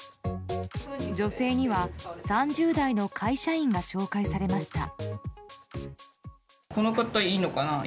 女性には３０代の会社員が紹介されました。